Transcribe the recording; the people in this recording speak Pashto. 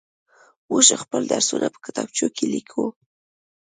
موږ خپل درسونه په کتابچو کې ليكو.